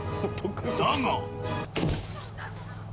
だが。